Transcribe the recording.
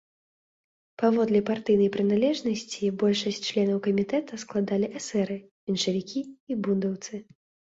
Паводле партыйнай прыналежнасці большасць членаў камітэта складалі эсэры, меншавікі і бундаўцы.